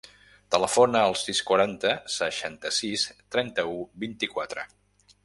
Telefona al sis, quaranta, seixanta-sis, trenta-u, vint-i-quatre.